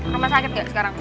rumah sakit gak sekarang